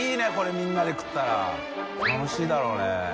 みんなで食ったら楽しいだろうね。